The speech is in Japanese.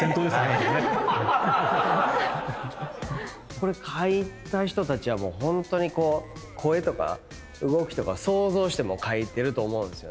これ描いた人たちはホントに声とか動きとか想像して描いてると思うんですよね。